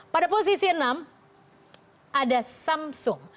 pada posisi enam ada samsung